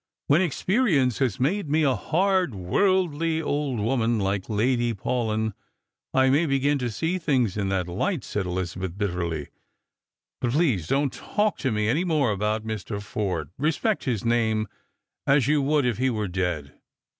" When experience has made me a hard, worldly old woman, like Lady Paulyn, I may begin to see things in that hght," said Elizabeth, bitterly ;" but please don't talk to me any more about Mr. Forde. Respect his name as you would if he were dead.